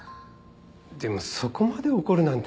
でもそこまで怒るなんてなあ。